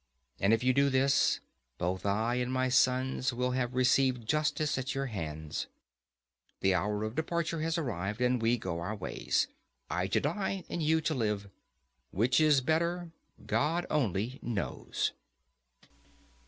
And if you do this, both I and my sons will have received justice at your hands. The hour of departure has arrived, and we go our ways—I to die, and you to live. Which is better God only knows.